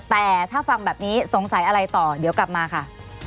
แต่ถ้าฟังแบบนี้สงสัยอะไรต่อเดี๋ยวกลับมาค่ะ